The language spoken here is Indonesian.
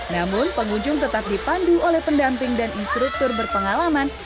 namun pengunjung tetap dipandu oleh pendamping dan instruktur berpengalaman